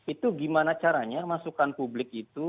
itu gimana caranya masukan publik itu